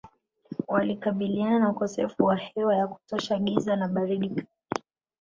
Walikabiliana na ukosefu wa hewa ya kutosha giza na baridi kali